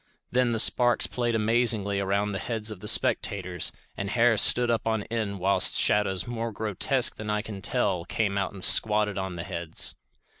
Then the sparks played amazingly around the heads of the spectators, and hair stood up on end whilst shadows more grotesque than I can tell came out and squatted on the heads.